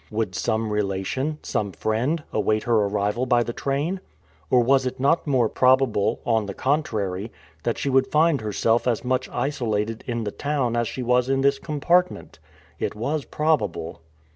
Would some relation, some friend, await her arrival by the train? Or was it not more probable, on the contrary, that she would find herself as much isolated in the town as she was in this compartment? It was probable.